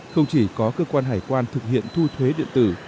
không chỉ có cơ quan hải quan thực hiện thu thuế điện tử